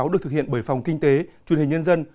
được thực hiện bởi phòng kinh tế truyền hình nhân dân